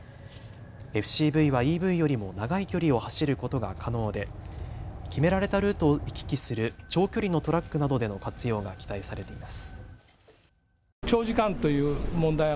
ＦＣＶはＥＶよりも長い距離を走ることが可能で決められたルートを行き来する長距離のトラックなどでの活用が期待されています。